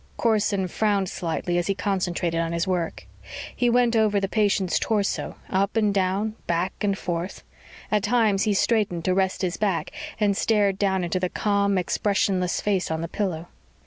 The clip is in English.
Corson frowned slightly as he concentrated on his work. He went over the patient's torso, up and down, back and forth. At times he straightened to rest his back and stared down into the calm, expressionless face on the pillow.